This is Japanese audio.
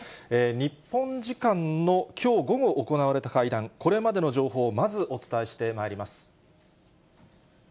日本時間のきょう午後行われた会談、これまでの情報、まずお伝えしてまいります。